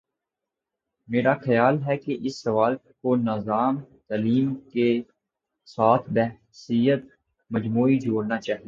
میرا خیال ہے کہ اس سوال کو نظام تعلیم کے ساتھ بحیثیت مجموعی جوڑنا چاہیے۔